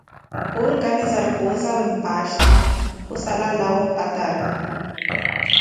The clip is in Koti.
khurkanizari kuwo zawe mpasta khusala alawa opatari.